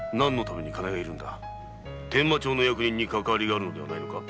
伝馬町の役人にかかわりがあるのでは？